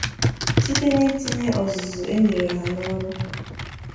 site n'itinye ọzụzụ e nyere ha n'ọrụ